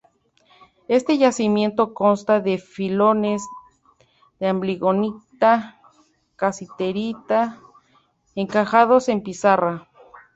Este yacimiento consta de filones de ambligonita-casiterita encajados en pizarra.